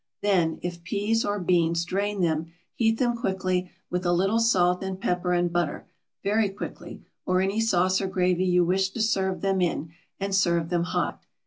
Then, if peas or beans, drain them, heat them quickly, with a little salt and pepper and butter, very quickly, or any sauce or gravy you wish to serve them in, and serve them hot.